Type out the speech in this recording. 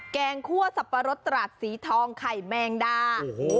แกงคั่วสับปะรดตราดสีทองไข่แมงดา